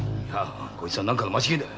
こいつは何かの間違いだ。